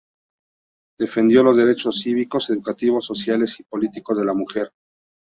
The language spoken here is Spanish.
Defendió los derechos cívicos, educativos, sociales y políticos de la mujer.